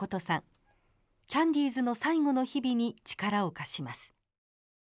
キャンディーズの最後の日々に力を貸します。